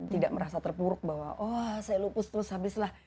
tidak merasa terpuruk bahwa oh saya lupus terus habislah